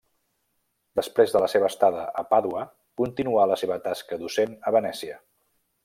Després de la seva estada a Pàdua continuà la seva tasca docent a Venècia.